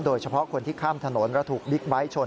โดยเฉพาะคนที่ข้ามถนนและถูกบิ๊กไบท์ชน